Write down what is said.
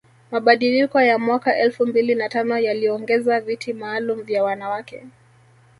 Mabadiliko ya mwaka elfu mbili na tano yaliongeza viti maalum vya wanawake